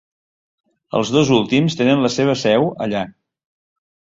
Els dos últims tenen la seva seu allà.